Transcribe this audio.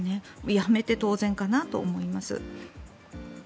辞めて当然かなと思います。